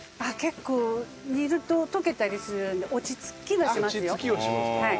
結構煮ると溶けたりするので落ち着きはしますよ。